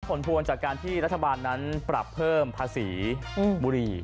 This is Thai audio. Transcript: ผลพวงจากการที่รัฐบาลนั้นปรับเพิ่มภาษีบุรี